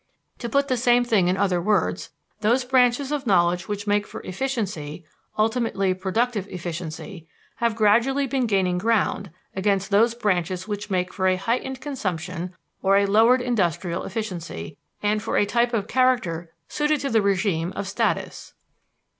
To put the same thing in other words, those branches of knowledge which make for efficiency (ultimately productive efficiency) have gradually been gaining ground against those branches which make for a heightened consumption or a lowered industrial efficiency and for a type of character suited to the regime of status.